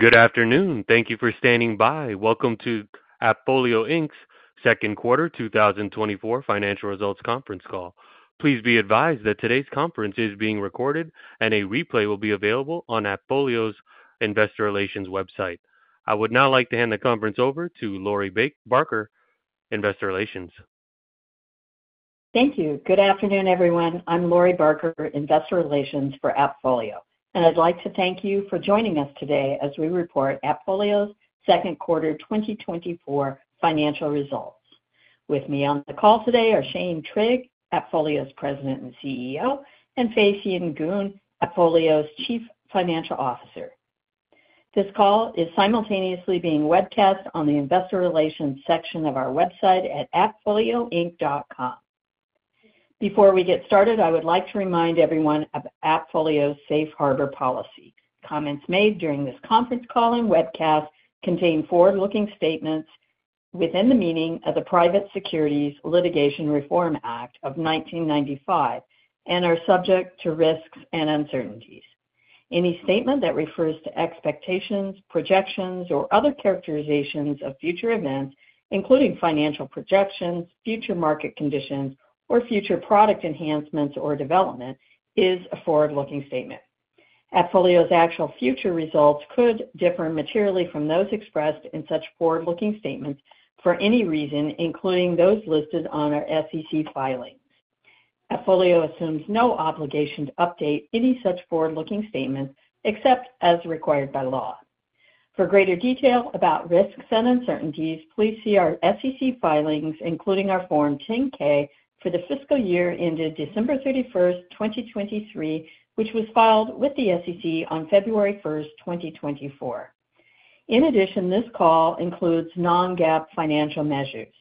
Good afternoon. Thank you for standing by. Welcome to AppFolio Inc.'s second quarter 2024 financial results conference call. Please be advised that today's conference is being recorded, and a replay will be available on AppFolio's investor relations website. I would now like to hand the conference over to Lori Barker, Investor Relations. Thank you. Good afternoon, everyone. I'm Lori Barker, Investor Relations for AppFolio, and I'd like to thank you for joining us today as we report AppFolio's second quarter 2024 financial results. With me on the call today are Shane Trigg, AppFolio's President and CEO, and Fay Sien Goon, AppFolio's Chief Financial Officer. This call is simultaneously being webcast on the investor relations section of our website at appfolioinc.com. Before we get started, I would like to remind everyone of AppFolio's Safe Harbor policy. Comments made during this conference call and webcast contain forward-looking statements within the meaning of the Private Securities Litigation Reform Act of 1995 and are subject to risks and uncertainties. Any statement that refers to expectations, projections, or other characterizations of future events, including financial projections, future market conditions, or future product enhancements or development, is a forward-looking statement. AppFolio's actual future results could differ materially from those expressed in such forward-looking statements for any reason, including those listed on our SEC filing. AppFolio assumes no obligation to update any such forward-looking statements except as required by law. For greater detail about risks and uncertainties, please see our SEC filings, including our Form 10-K for the fiscal year ended December 31, 2023, which was filed with the SEC on February 1, 2024. In addition, this call includes non-GAAP financial measures.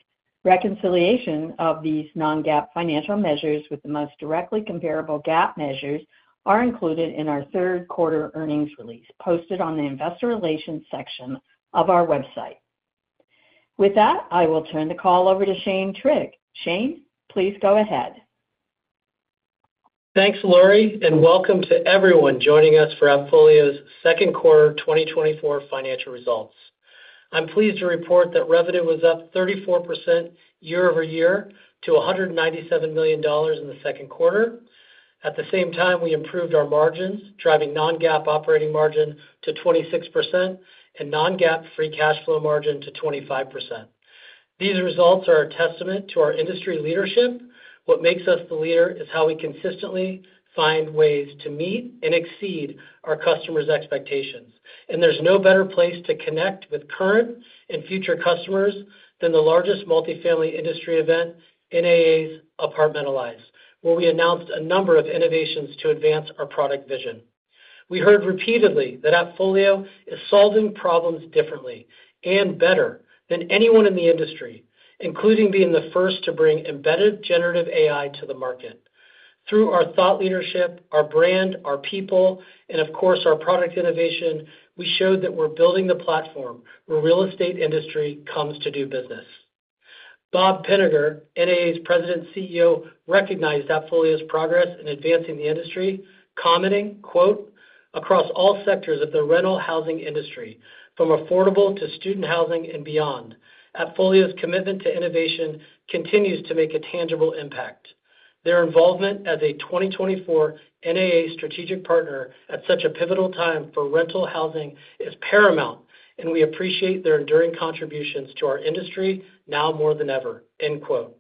Reconciliation of these non-GAAP financial measures with the most directly comparable GAAP measures are included in our third quarter earnings release, posted on the investor relations section of our website. With that, I will turn the call over to Shane Trigg. Shane, please go ahead. Thanks, Lori, and welcome to everyone joining us for AppFolio's second quarter 2024 financial results. I'm pleased to report that revenue was up 34% year-over-year to $197 million in the second quarter. At the same time, we improved our margins, driving non-GAAP operating margin to 26% and non-GAAP free cash flow margin to 25%. These results are a testament to our industry leadership. What makes us the leader is how we consistently find ways to meet and exceed our customers' expectations, and there's no better place to connect with current and future customers than the largest multifamily industry event, NAA's Apartmentalize, where we announced a number of innovations to advance our product vision. We heard repeatedly that AppFolio is solving problems differently and better than anyone in the industry, including being the first to bring embedded generative AI to the market. Through our thought leadership, our brand, our people, and of course, our product innovation, we showed that we're building the platform where real estate industry comes to do business. Bob Pinnegar, NAA's President and CEO, recognized AppFolio's progress in advancing the industry, commenting, quote, "Across all sectors of the rental housing industry, from affordable to student housing and beyond, AppFolio's commitment to innovation continues to make a tangible impact. Their involvement as a 2024 NAA strategic partner at such a pivotal time for rental housing is paramount, and we appreciate their enduring contributions to our industry now more than ever," end quote.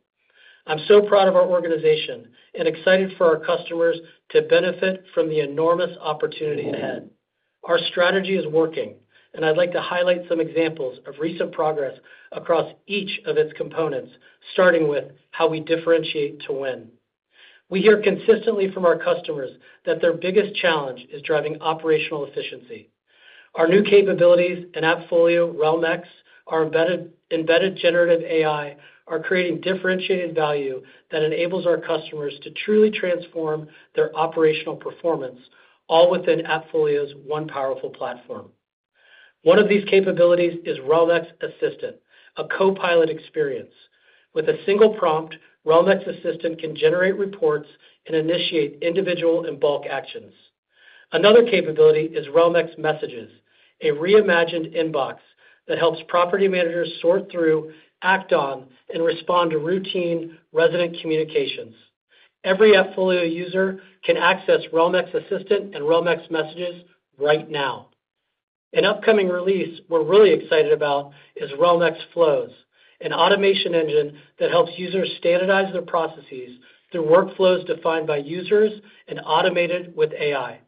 I'm so proud of our organization and excited for our customers to benefit from the enormous opportunity ahead. Our strategy is working, and I'd like to highlight some examples of recent progress across each of its components, starting with how we differentiate to win. We hear consistently from our customers that their biggest challenge is driving operational efficiency. Our new capabilities in AppFolio Realm-X, our embedded generative AI, are creating differentiated value that enables our customers to truly transform their operational performance, all within AppFolio's one powerful platform. One of these capabilities is Realm-X Assistant, a co-pilot experience. With a single prompt, Realm-X Assistant can generate reports and initiate individual and bulk actions. Another capability is Realm-X Messages, a reimagined inbox that helps property managers sort through, act on, and respond to routine resident communications. Every AppFolio user can access Realm-X Assistant and Realm-X Messages right now. An upcoming release we're really excited about is Realm-X Flows, an automation engine that helps users standardize their processes through workflows defined by users and automated with AI.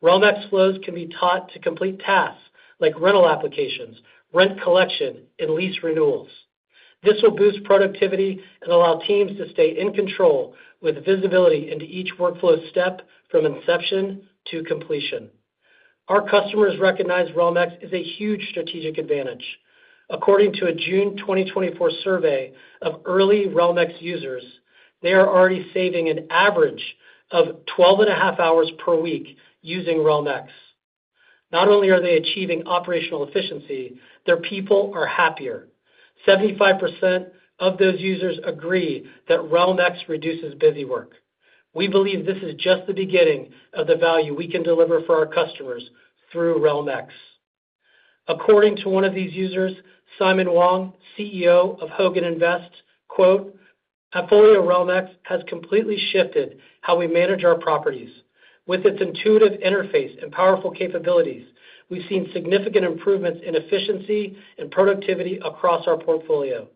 Realm-X Flows can be taught to complete tasks like rental applications, rent collection, and lease renewals. This will boost productivity and allow teams to stay in control with visibility into each workflow step from inception to completion. Our customers recognize Realm-X is a huge strategic advantage. According to a June 2024 survey of early Realm-X users, they are already saving an average of 12.5 hours per week using Realm-X. Not only are they achieving operational efficiency, their people are happier. 75% of those users agree that Realm-X reduces busy work.... We believe this is just the beginning of the value we can deliver for our customers through Realm-X. According to one of these users, Simon Wong, CEO of Hoganvest, quote, "AppFolio Realm-X has completely shifted how we manage our properties. With its intuitive interface and powerful capabilities, we've seen significant improvements in efficiency and productivity across our portfolio.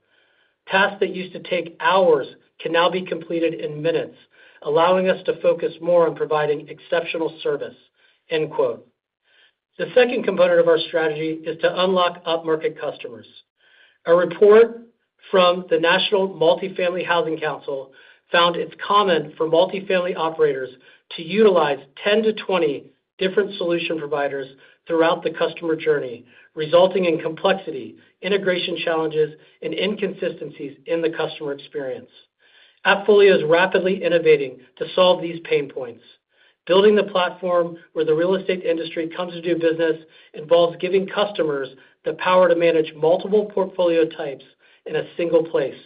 Tasks that used to take hours can now be completed in minutes, allowing us to focus more on providing exceptional service." End quote. The second component of our strategy is to unlock upmarket customers. A report from the National Multifamily Housing Council found it's common for multifamily operators to utilize 10-20 different solution providers throughout the customer journey, resulting in complexity, integration challenges, and inconsistencies in the customer experience. AppFolio is rapidly innovating to solve these pain points. Building the platform where the real estate industry comes to do business involves giving customers the power to manage multiple portfolio types in a single place.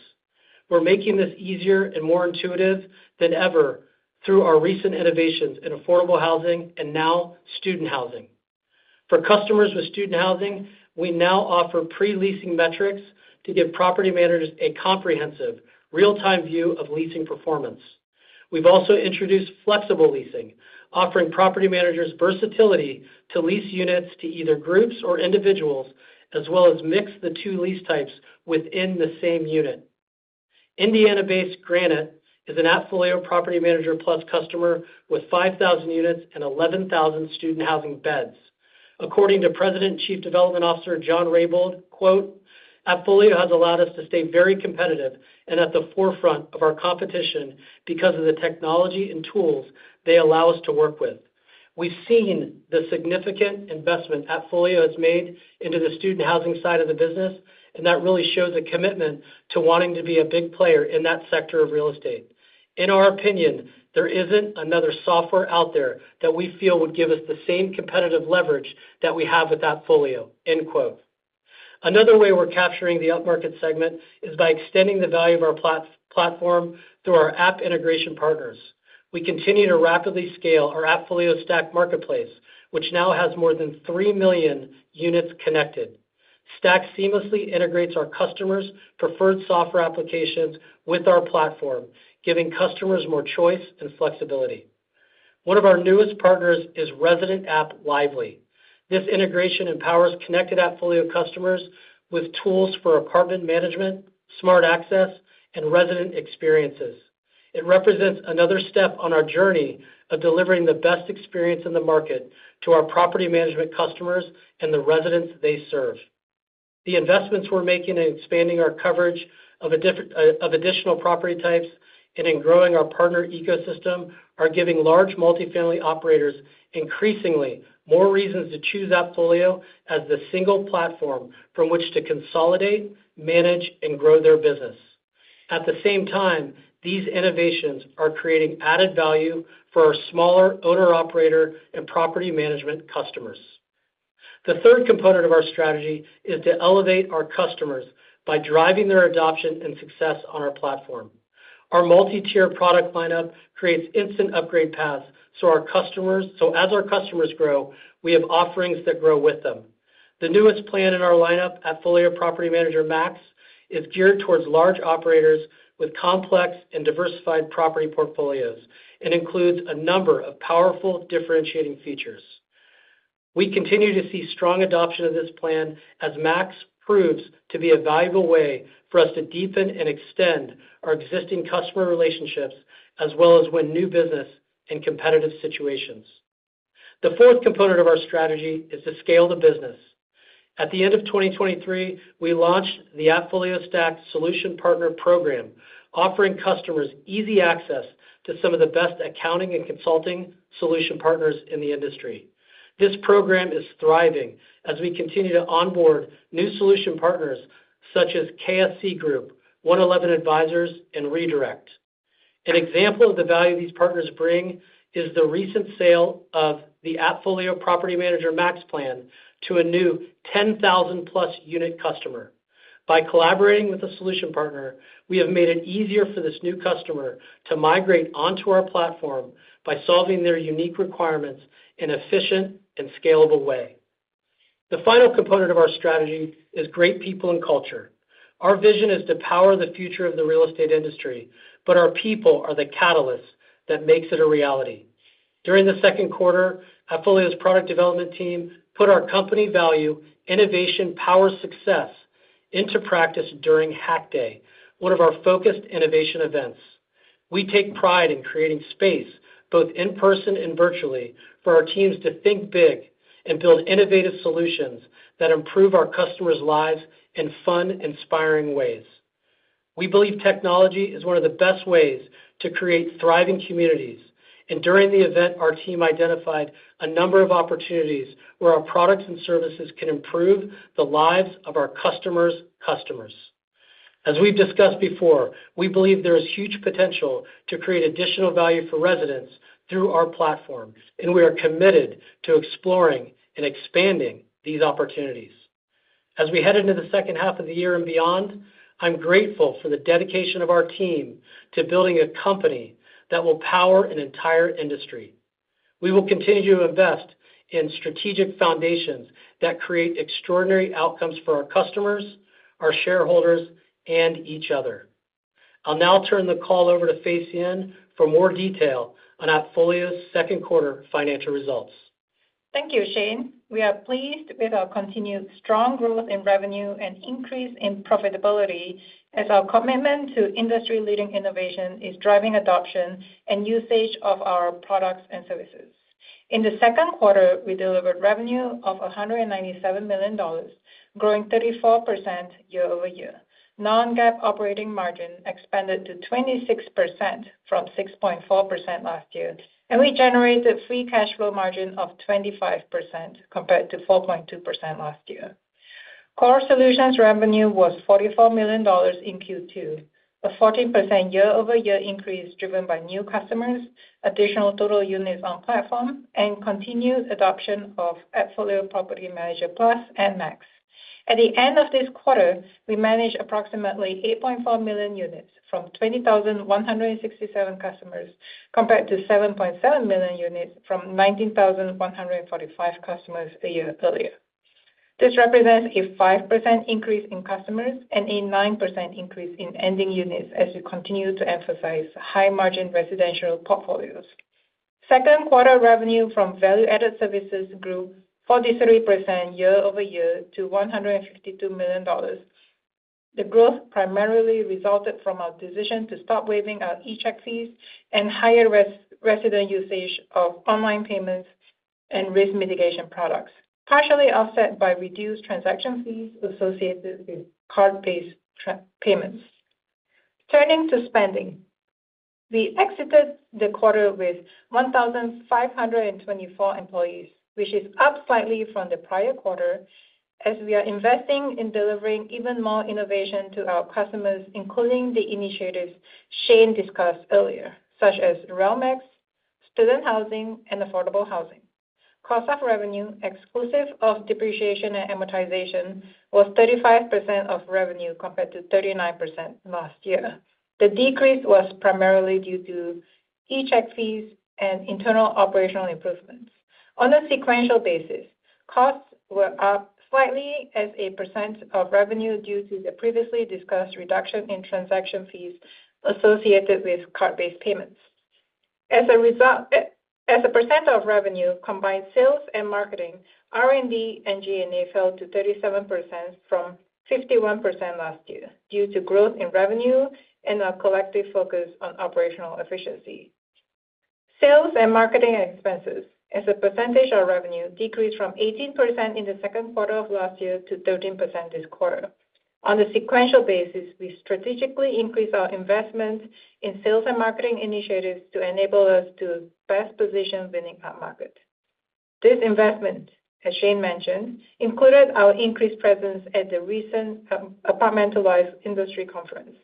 We're making this easier and more intuitive than ever through our recent innovations in affordable housing and now student housing. For customers with student housing, we now offer pre-leasing metrics to give property managers a comprehensive, real-time view of leasing performance. We've also introduced flexible leasing, offering property managers versatility to lease units to either groups or individuals, as well as mix the two lease types within the same unit. Indiana-based Granite is an AppFolio Property Manager Plus customer with 5,000 units and 11,000 student housing beds. According to President and Chief Development Officer John Raybould, quote, "AppFolio has allowed us to stay very competitive and at the forefront of our competition because of the technology and tools they allow us to work with. We've seen the significant investment AppFolio has made into the student housing side of the business, and that really shows a commitment to wanting to be a big player in that sector of real estate. In our opinion, there isn't another software out there that we feel would give us the same competitive leverage that we have with AppFolio." End quote. Another way we're capturing the upmarket segment is by extending the value of our platform through our app integration partners. We continue to rapidly scale our AppFolio Stack Marketplace, which now has more than 3 million units connected. Stack seamlessly integrates our customers' preferred software applications with our platform, giving customers more choice and flexibility. One of our newest partners is resident app, Livly. This integration empowers connected AppFolio customers with tools for apartment management, smart access, and resident experiences. It represents another step on our journey of delivering the best experience in the market to our property management customers and the residents they serve. The investments we're making in expanding our coverage of additional property types and in growing our partner ecosystem are giving large multifamily operators increasingly more reasons to choose AppFolio as the single platform from which to consolidate, manage, and grow their business. At the same time, these innovations are creating added value for our smaller owner, operator, and property management customers. The third component of our strategy is to elevate our customers by driving their adoption and success on our platform. Our multi-tier product lineup creates instant upgrade paths, so as our customers grow, we have offerings that grow with them. The newest plan in our lineup, AppFolio Property Manager Max, is geared towards large operators with complex and diversified property portfolios and includes a number of powerful differentiating features. We continue to see strong adoption of this plan as Max proves to be a valuable way for us to deepen and extend our existing customer relationships, as well as win new business in competitive situations. The fourth component of our strategy is to scale the business. At the end of 2023, we launched the AppFolio Stack Solution Partner Program, offering customers easy access to some of the best accounting and consulting solution partners in the industry. This program is thriving as we continue to onboard new solution partners such as KSC Group, One11 Advisors, and REdirect. An example of the value these partners bring is the recent sale of the AppFolio Property Manager Max plan to a new 10,000+ unit customer. By collaborating with a solution partner, we have made it easier for this new customer to migrate onto our platform by solving their unique requirements in an efficient and scalable way. The final component of our strategy is great people and culture. Our vision is to power the future of the real estate industry, but our people are the catalyst that makes it a reality. During the second quarter, AppFolio's product development team put our company value, innovation, power, success, into practice during Hack Day, one of our focused innovation events. We take pride in creating space, both in person and virtually, for our teams to think big and build innovative solutions that improve our customers' lives in fun, inspiring ways. We believe technology is one of the best ways to create thriving communities, and during the event, our team identified a number of opportunities where our products and services can improve the lives of our customers' customers. As we've discussed before, we believe there is huge potential to create additional value for residents through our platforms, and we are committed to exploring and expanding these opportunities.... As we head into the second half of the year and beyond, I'm grateful for the dedication of our team to building a company that will power an entire industry. We will continue to invest in strategic foundations that create extraordinary outcomes for our customers, our shareholders, and each other. I'll now turn the call over to Fay Sien Goon for more detail on AppFolio's second quarter financial results. Thank you, Shane. We are pleased with our continued strong growth in revenue and increase in profitability as our commitment to industry-leading innovation is driving adoption and usage of our products and services. In the second quarter, we delivered revenue of $197 million, growing 34% year-over-year. Non-GAAP operating margin expanded to 26% from 6.4% last year, and we generated free cash flow margin of 25%, compared to 4.2% last year. Core solutions revenue was $44 million in Q2, a 14% year-over-year increase, driven by new customers, additional total units on platform, and continued adoption of AppFolio Property Manager Plus and Max. At the end of this quarter, we managed approximately 8.4 million units from 20,167 customers, compared to 7.7 million units from 19,145 customers a year earlier. This represents a 5% increase in customers and a 9% increase in ending units as we continue to emphasize high-margin residential portfolios. Second quarter revenue from value-added services grew 43% year-over-year to $152 million. The growth primarily resulted from our decision to stop waiving our e-check fees and higher resident usage of online payments and risk mitigation products, partially offset by reduced transaction fees associated with card-based payments. Turning to spending. We exited the quarter with 1,524 employees, which is up slightly from the prior quarter, as we are investing in delivering even more innovation to our customers, including the initiatives Shane discussed earlier, such as Realm-X, student housing, and affordable housing. Cost of revenue, exclusive of depreciation and amortization, was 35% of revenue, compared to 39% last year. The decrease was primarily due to e-check fees and internal operational improvements. On a sequential basis, costs were up slightly as a percent of revenue due to the previously discussed reduction in transaction fees associated with card-based payments. As a result, as a percent of revenue, combined sales and marketing, R&D and G&A fell to 37% from 51% last year due to growth in revenue and our collective focus on operational efficiency. Sales and marketing expenses as a percentage of revenue decreased from 18% in the second quarter of last year to 13% this quarter. On a sequential basis, we strategically increased our investments in sales and marketing initiatives to enable us to best position within our market. This investment, as Shane mentioned, included our increased presence at the recent Apartmentalize Conference.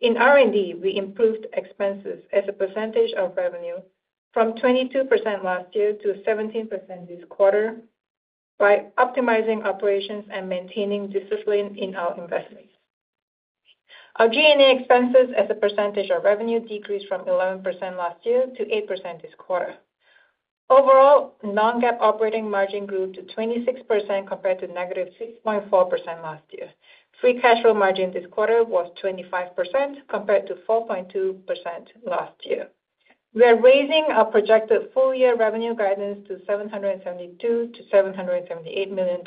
In R&D, we improved expenses as a percentage of revenue from 22% last year to 17% this quarter by optimizing operations and maintaining discipline in our investments. Our G&A expenses as a percentage of revenue decreased from 11% last year to 8% this quarter. Overall, non-GAAP operating margin grew to 26%, compared to -6.4% last year. Free cash flow margin this quarter was 25%, compared to 4.2% last year. We are raising our projected full-year revenue guidance to $772 million-$778 million,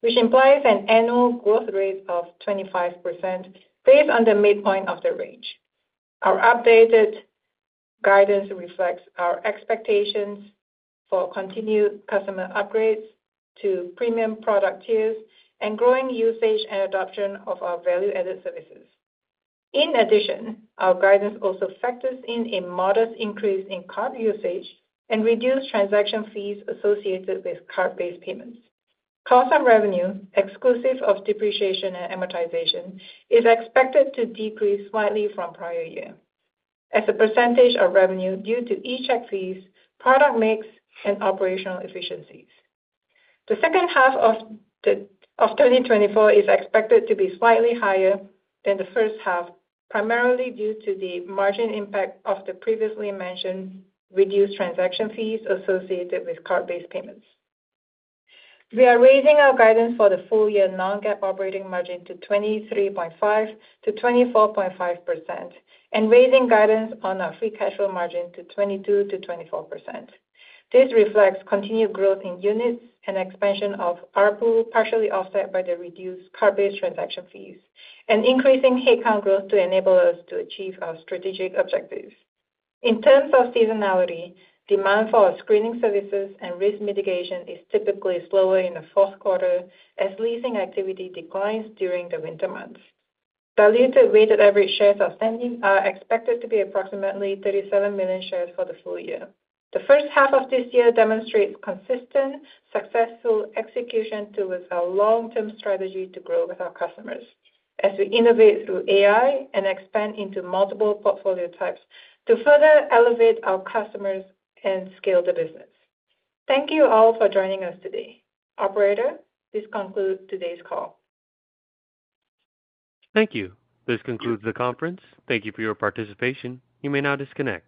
which implies an annual growth rate of 25% based on the midpoint of the range. Our updated guidance reflects our expectations for continued customer upgrades to premium product tiers and growing usage and adoption of our value-added services. In addition, our guidance also factors in a modest increase in card usage and reduced transaction fees associated with card-based payments. Cost of revenue, exclusive of depreciation and amortization, is expected to decrease slightly from prior year as a percentage of revenue due to e-check fees, product mix, and operational efficiencies. The second half of 2024 is expected to be slightly higher than the first half, primarily due to the margin impact of the previously mentioned reduced transaction fees associated with card-based payments. We are raising our guidance for the full-year non-GAAP operating margin to 23.5%-24.5% and raising guidance on our free cash flow margin to 22%-24%. This reflects continued growth in units and expansion of our pool, partially offset by the reduced card-based transaction fees and increasing head count growth to enable us to achieve our strategic objectives. In terms of seasonality, demand for our screening services and risk mitigation is typically slower in the fourth quarter as leasing activity declines during the winter months. Diluted weighted average shares outstanding are expected to be approximately 37 million shares for the full year. The first half of this year demonstrates consistent, successful execution towards our long-term strategy to grow with our customers as we innovate through AI and expand into multiple portfolio types to further elevate our customers and scale the business. Thank you all for joining us today. Operator, this concludes today's call. Thank you. This concludes the conference. Thank you for your participation. You may now disconnect.